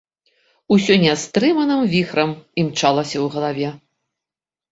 Усё нястрыманым віхрам імчалася ў галаве.